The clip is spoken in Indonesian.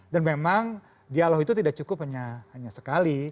dan memang dialog itu tidak cukup hanya sekali